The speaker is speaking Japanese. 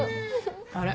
あれ？